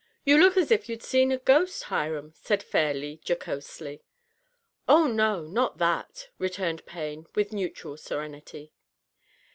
" You look as if you'd seen a ghost, Hiram," said Fairleigh jocosely. '^Oh, no, not that,'' returned Payne, with neutral serenity.